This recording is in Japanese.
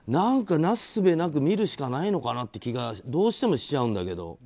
なすすべなく見るしかないのかなって気がどうしてもしちゃうんだけど。